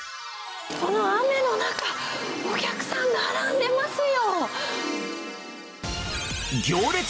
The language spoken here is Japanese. この雨の中、お客さん、並んでますよ。